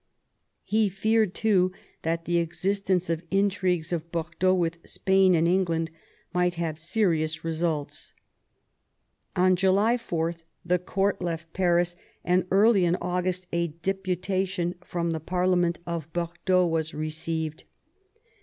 He feared too that the existence of intrigues of Bordeaux with Spain and England might have serious results. On July 4 the court left Paris, and early in August a deputation from the parlement of Bordeaux was received.